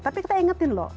tapi kita ingetin loh